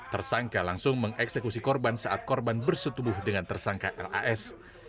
tersangka langsung mengeksekusi korban saat korban bersetubuh dengan tersangka ras